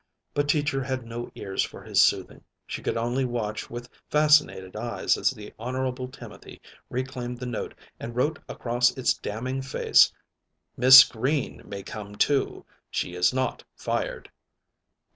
But Teacher had no ears for his soothing. She could only watch with fascinated eyes as the Honorable Timothy reclaimed the note and wrote across it's damning face: "Miss Greene may come to. She is not fired.